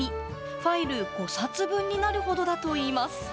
ファイル５冊分になるほどだといいます。